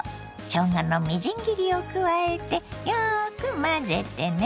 しょうがのみじん切りを加えてよく混ぜてね。